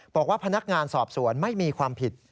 บอกว่าพนักงานสอบสวนไม่มีความผิด